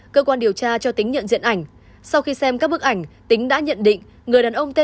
cơ quan điều tra cho tính nhận diện ảnh sau khi xem các bức ảnh tính đã nhận định